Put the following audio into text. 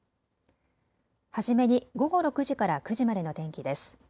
初めに午後６時から９時までの天気です。